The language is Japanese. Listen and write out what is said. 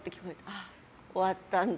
ああ、終わったんだ